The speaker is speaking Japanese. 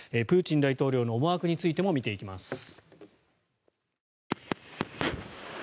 プーチン大統領の思惑についても見ていきます。